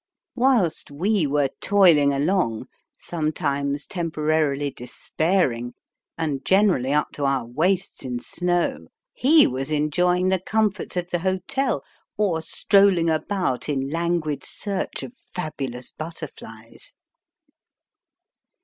Whilst we were toiling along, sometimes temporarily despairing, and generally up to our waists in snow, he was enjoying the comforts of the hotel, or strolling about in languid search of fabulous butterflies.